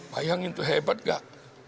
bayangin tuh hebat gak